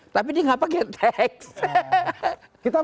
tapi dia nggak pakai teks